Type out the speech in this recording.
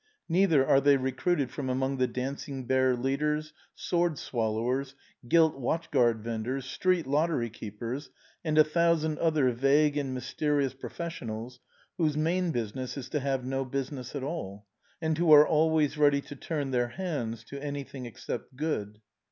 Neither are they recruited from among the dancing bear leaders, sword swallowers, gilt watch guard venders, street lottery keepers and a thousand other vague and mysterious professionals whose main business is to have no business at all, and who are always ready to turn their hands to any thing except good.